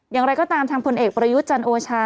อย่างไรก็ตามทางผลเอกประยุทธ์จันโอชา